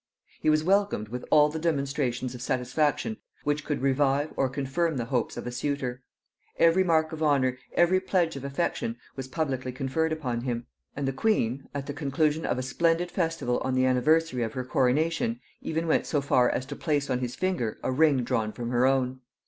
He was welcomed with all the demonstrations of satisfaction which could revive or confirm the hopes of a suitor; every mark of honor, every pledge of affection, was publicly conferred upon him; and the queen, at the conclusion of a splendid festival on the anniversary of her coronation, even went so far as to place on his finger a ring drawn from her own.